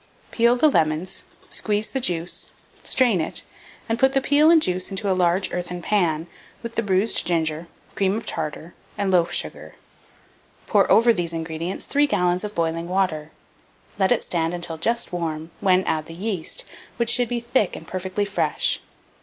Peel the lemons, squeeze the juice, strain it, and put the peel and juice into a large earthen pan, with the bruised ginger, cream of tartar, and loaf sugar. Pour over these ingredients 3 gallons of boiling water; let it stand until just warm, when add the yeast, which should be thick and perfectly fresh.